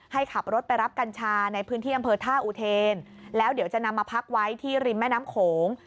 ให้ขับรถไปรับกัญชาในพื้นที่อำเภอท่าอุเทนแล้วเดี๋ยวจะนำมาพักไว้ที่ริมแม่น้ำโขง